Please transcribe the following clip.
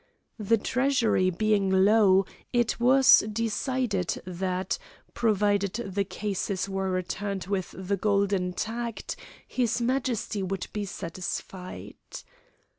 The Treasury being low, it was decided that, provided the cases were returned with the gold intact, his Majesty would be satisfied.